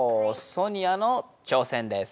ソニアの挑戦です。